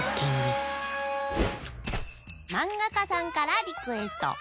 まんがかさんからリクエスト。